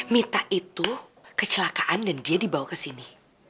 mita itu kecelakaan dan dia dibawa kesini